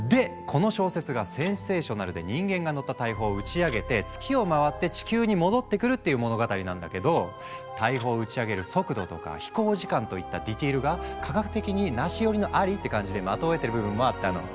この小説がセンセーショナルで人間が乗った大砲を打ち上げて月を回って地球に戻ってくるっていう物語なんだけど大砲を打ち上げる速度とか飛行時間といったディテールが科学的にナシ寄りのアリって感じで的をえてる部分もあったの。